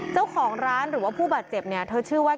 เจ้าของร้านหรือว่าผู้บาดเจ็บเนี่ยเธอชื่อว่า